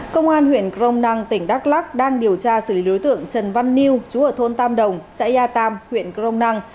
công an huyện crong năng tỉnh đắk lắc đang điều tra xử lý đối tượng trần văn liêu chú ở thôn tam đồng xã ya tam huyện crong năng